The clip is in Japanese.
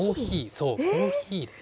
そう、コーヒーです。